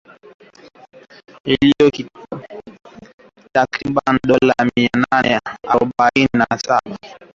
Ilifikia takriban dola mia nane arobaini mwaka wa elfu mbili ishirini na moja.